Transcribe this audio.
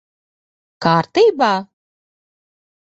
Kārtībā?